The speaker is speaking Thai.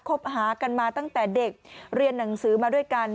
คบหากันมาตั้งแต่เด็กเรียนหนังสือมาด้วยกัน